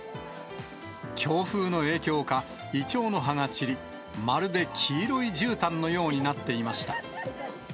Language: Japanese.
強風の影響か、イチョウの葉が散り、まるで黄色いじゅうたんのようになっていました。